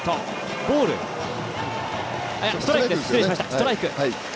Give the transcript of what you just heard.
ストライク。